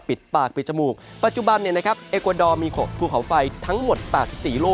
ปิดปากปิดจมูกปัจจุบันเนี้ยนะครับเอุกวาดอร์มีขกภูเขาไฟจะหล่มเปิด